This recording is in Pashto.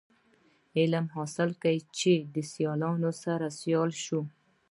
علم حاصل کړی چي د سیالانو سیال سو.